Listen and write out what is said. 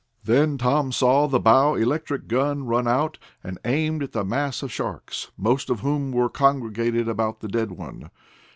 Then Tom saw the bow electric gun run out, and aimed at the mass of sharks, most of whom were congregated about the dead one.